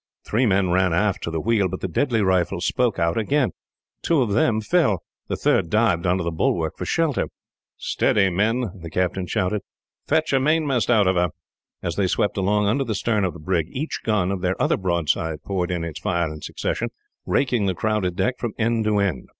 Three men ran aft to the wheel, but the deadly rifles spoke out again. Two of them fell. The third dived under the bulwark, for shelter. "Steady, men!" the captain shouted. "Fetch her mainmast out of her!" As they swept along under the stern of the brig, each gun of their other broadside poured in its fire in succession, raking the crowded deck from end to end.